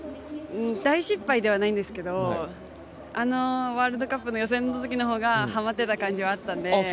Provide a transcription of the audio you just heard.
大失敗ではないんですけれども、ワールドカップの予選のときの方がはまってた感じはあったんで。